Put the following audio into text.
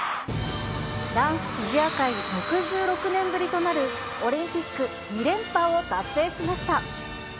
男子フィギュア界６６年ぶりとなるオリンピック２連覇を達成